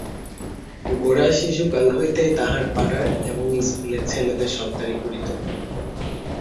গোরা শিশুকাল হইতেই তাহার পাড়ার এবং ইস্কুলের ছেলেদের সর্দারি করিত।